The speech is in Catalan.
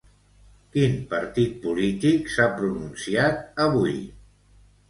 Quin partit polític s'ha pronunciat avui?